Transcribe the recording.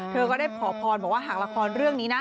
เธอก็ได้ขอพรบอกว่าหากละครเรื่องนี้นะ